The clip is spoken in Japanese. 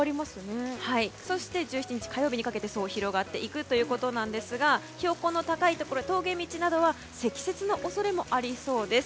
そして１７日火曜日にかけて広がっていくということですが標高の高いところ、峠道などは積雪の恐れもありそうです。